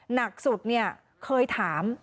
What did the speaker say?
หนักสุดเคยถาม